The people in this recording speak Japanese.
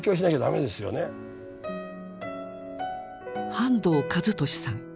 半藤一利さん。